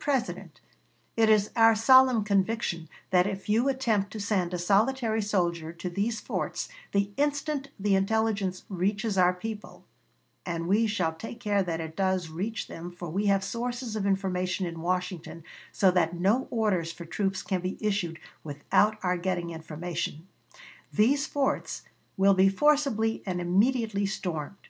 President, it is our solemn conviction that if you attempt to send a solitary soldier to these forts, the instant the intelligence reaches our people (and we shall take care that it does reach them, for we have sources of information in Washington so that no orders for troops can be issued without our getting information) these forts will be forcibly and immediately stormed.